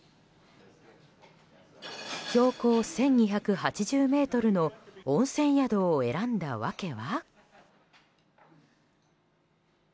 標高１２８０ｍの温泉宿を選んだ訳は。